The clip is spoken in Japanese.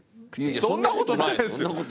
そんなことないですよ。